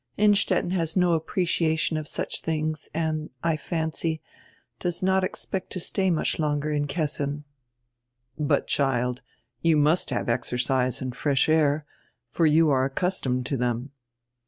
Innstetten has no appreciation of such tilings and, I fancy, does not expect to stay much longer in Kessin." "But, child, you must have exercise and fresh air, for you are accustomed to diem."